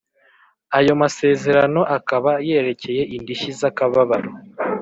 ayo masezerano akaba yerekeye indishyi za kababaro